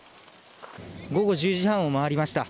午後１０時半を回りました。